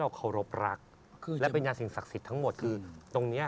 แต่เขาตัดได้มั้ยอันนี้อย่างนี้อย่างนี้